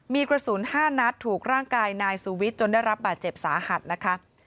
มีกระสุน๕นัดถูกร่างกายนายสุวิทย์จนได้รับบาดเจ็บสาหัสนะคะ